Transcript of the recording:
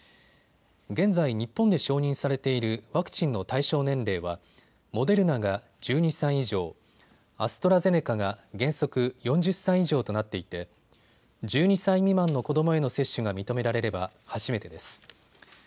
現在、日本で承認されているワクチンの対象年齢はモデルナが１２歳以上、アストラゼネカが原則、４０歳以上となっていて１２歳未満の子どもへの接種が認められれば初めてです。